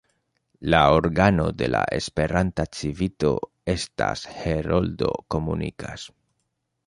La organo de la Esperanta Civito estas "Heroldo komunikas".